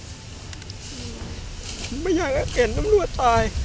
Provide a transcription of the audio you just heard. ผมไม่อยากให้เห็นน้ำรวจตาย